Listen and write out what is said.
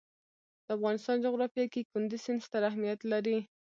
د افغانستان جغرافیه کې کندز سیند ستر اهمیت لري.